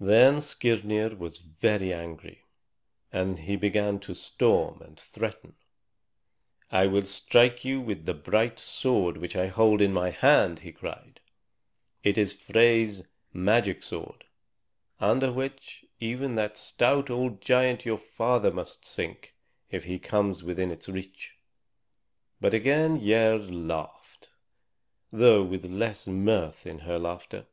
Then Skirnir was very angry, and he began to storm and threaten. "I will strike you with the bright sword which I hold in my hand!" he cried. "It is Frey's magic sword, under which even that stout old giant your father must sink if he comes within its reach." But again Gerd laughed, though with less mirth in her laughter.